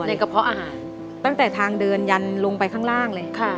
กระเพาะอาหารตั้งแต่ทางเดินยันลงไปข้างล่างเลย